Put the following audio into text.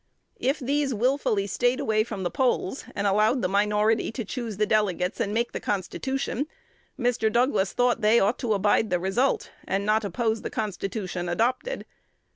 If these wilfully staid away from the polls, and allowed the minority to choose the delegates and make the constitution, Mr. Douglas thought they ought to abide the result, and not oppose the constitution adopted.